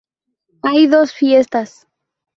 Hay dos fiestas.